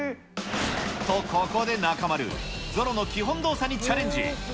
と、ここで中丸、ゾロの基本動作にチャレンジ。